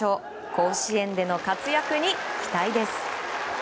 甲子園での活躍に期待です。